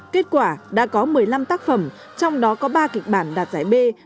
kết quả đã có một mươi năm tác phẩm trong đó có ba kịch bản đạt giải b